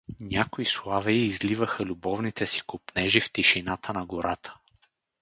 Някои славеи изливаха любовните си копнежи в тишината на гората.